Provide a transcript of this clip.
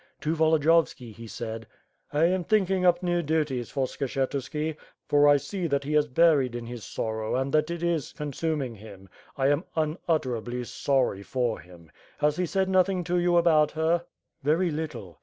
To Volodiyovski, he said: "I am thinking up new duties for Skshetuski, for I see that he is buried in his sorrow and that it is consuming him. I am unutterably sorry for him. Has he said nothing to you about her?" "Very little.